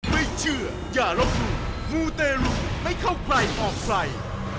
ไม่เชื่ออย่ารบหล่วงมูเตรหลุไม่เข้าใกล้ออกใกล้